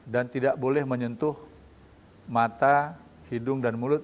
tidak boleh menyentuh mata hidung dan mulut